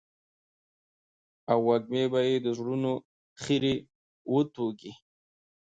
او وږمې به يې د زړونو خيري وتوږي.